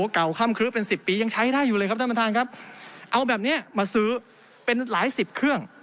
เก่าค่ำครึเป็นสิบปียังใช้ได้อยู่เลยครับท่านประธานครับเอาแบบเนี้ยมาซื้อเป็นหลายสิบเครื่อง